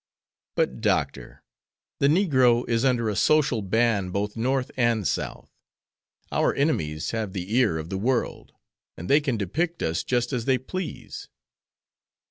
"But, Doctor, the negro is under a social ban both North and South. Our enemies have the ear of the world, and they can depict us just as they please."